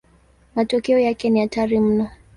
Matokeo yake ni hatari mno.